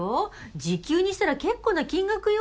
時給にしたら結構な金額よ。